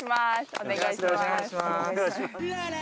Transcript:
お願いします。